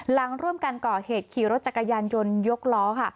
หลังร่วมกันก่อเหตุขี่รถจักรยานยนต์ยกล้อค่ะ